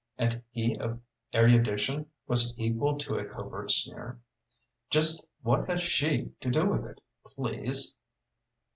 and he of erudition was equal to a covert sneer "just what has she to do with it, please?"